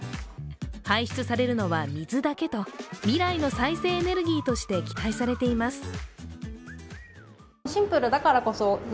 排出されるのは水だけと、未来の再生エネルギーとして期待されています。